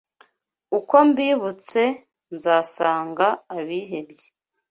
Uko mbibutse nzasanga abihebye